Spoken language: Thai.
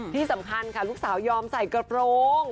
ที่สำคัญค่ะลูกสาวยอมใส่กระโปรง